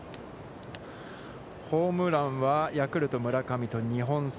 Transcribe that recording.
ホームランは、ヤクルト村上と２本差。